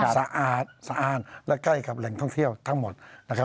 สะอาดสะอาดและใกล้กับแหล่งท่องเที่ยวทั้งหมดนะครับ